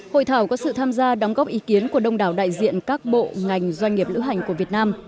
hội thảo có sự tham gia đóng góp ý kiến của đông đảo đại diện các bộ ngành doanh nghiệp lữ hành của việt nam